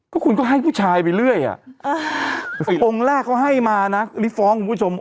ก็คุณก็ให้ผู้ชายไปเรื่อยอ่ะองค์แรกเขาให้มานะรีบฟ้องคุณผู้ชม